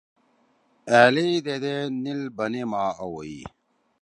ألیئی دیدے نیِل بنے ما آ ویی